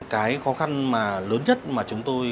cái khó khăn mà lớn nhất mà chúng tôi